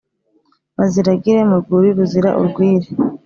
Baziragire mu rwuri ruzira urwiri